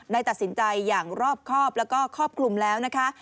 ได้ตัดสินใจอย่างรอบครอบแล้วก็ครอบคลุมแล้วนะคะ